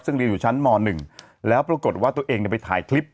ซึ่งเรียนอยู่ชั้นม๑แล้วปรากฏว่าตัวเองไปถ่ายคลิป